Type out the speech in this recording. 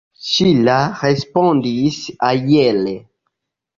Ŝila respondis aere.